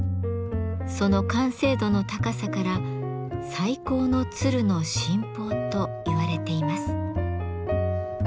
その完成度の高さから「最高の鶴の神宝」と言われています。